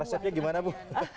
resepnya gimana bu